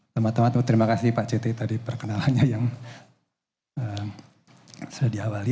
terima kasih pak citi tadi perkenalannya yang sudah diawali